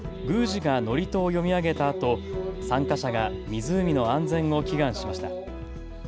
宮司が祝詞を読み上げたあと参加者が湖の安全を祈願しました。